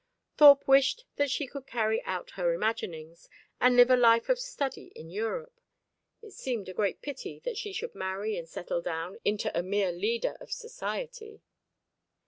Thorpe wished that she could carry out her imaginings and live a life of study in Europe; it seemed a great pity that she should marry and settle down into a mere leader of society.